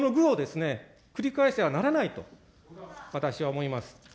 この愚を繰り返しはならないと、私は思います。